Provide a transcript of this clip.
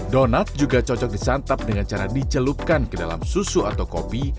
donat juga cocok disantap dengan cara dicelupkan ke dalam susu atau kopi